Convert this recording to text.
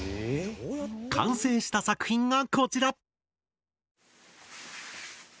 完成した作品がこちら！